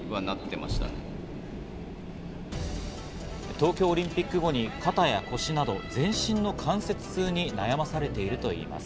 東京オリンピック後に肩や腰など全身の関節痛に悩まされているといいます。